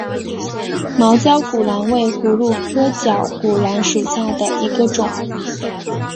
毛绞股蓝为葫芦科绞股蓝属下的一个种。